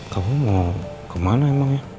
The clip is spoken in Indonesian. kamu mau kemana emangnya